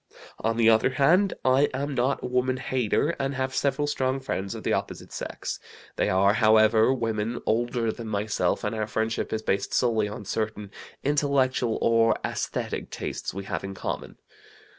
On the other hand, I am not a woman hater, and have several strong friends of the opposite sex. They are, however, women older than myself, and our friendship is based solely on certain intellectual or esthetic tastes we have in common.